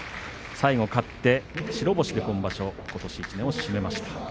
最後勝って白星で今場所１年を締めました。